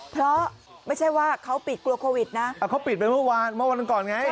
เพราะไม่ใช่ว่าเขาปิดกลัวโควิดนะอ่าเขาปิดไปเมื่อวาน